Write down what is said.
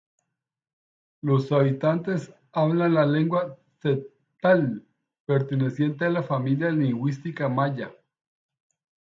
Los habitantes hablan la lengua tzeltal, perteneciente a la familia lingüística maya.